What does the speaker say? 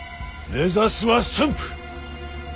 目指すは駿府！